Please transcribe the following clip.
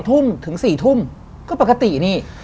ทุ่มถึง๔ทุ่มก็ปกตินี่